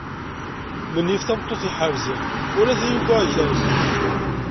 Menyif tameṭṭut iḥerzen wala tayuga ikerzen.